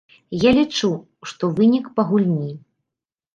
Я лічу, што вынік па гульні.